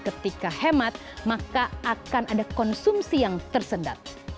ketika hemat maka akan ada konsumsi yang tersendat